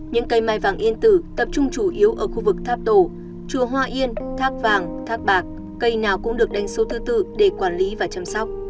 những cây mai vàng yên tử tập trung chủ yếu ở khu vực tháp tổ chùa hoa yên tháp vàng tháp bạc cây nào cũng được đánh số thứ tư để quản lý và chăm sóc